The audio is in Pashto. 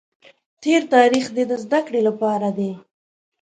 تېر تاریخ دې د زده کړې لپاره دی.